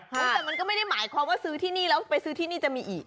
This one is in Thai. แต่มันก็ไม่ได้หมายความว่าซื้อที่นี่แล้วไปซื้อที่นี่จะมีอีก